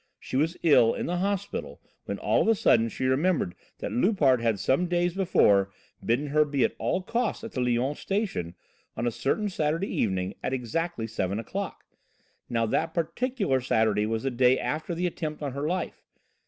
She was ill in the hospital when all of a sudden she remembered that Loupart had some days before bidden her be at all costs at the Lyons Station, on a certain Saturday evening at exactly seven o'clock. Now that particular Saturday was the day after the attempt on her life.